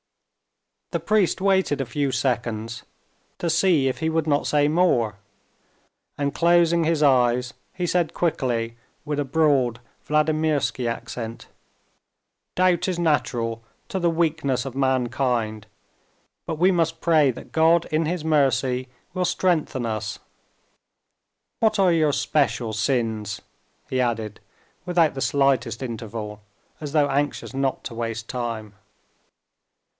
The priest waited a few seconds to see if he would not say more, and closing his eyes he said quickly, with a broad, Vladimirsky accent: "Doubt is natural to the weakness of mankind, but we must pray that God in His mercy will strengthen us. What are your special sins?" he added, without the slightest interval, as though anxious not to waste time.